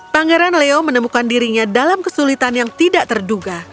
pangeran leo menemukan dirinya dalam kesulitan yang tidak terduga